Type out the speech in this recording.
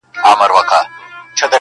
دا غرونه ، غرونه دي ولاړ وي داسي.